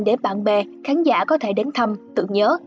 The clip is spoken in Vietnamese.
để bạn bè khán giả có thể đến thăm tượng nhớ